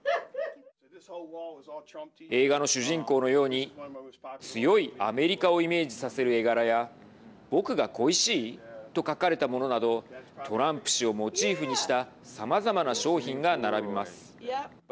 映画の主人公のように強いアメリカをイメージさせる絵柄や僕が恋しい？と書かれたものなどトランプ氏をモチーフにしたさまざまな商品が並びます。